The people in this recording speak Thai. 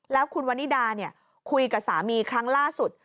แล้วคุณวันนิดาคุยกับสามีครั้งล่าสุด